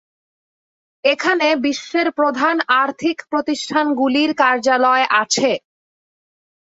এখানে বিশ্বের প্রধান আর্থিক প্রতিষ্ঠানগুলির কার্যালয় আছে।